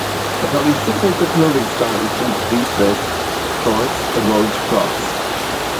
Batali's signature clothing style includes a fleece vest, shorts and orange Crocs.